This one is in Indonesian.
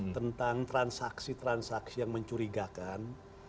tentang transaksi transaksi yang mencurigakan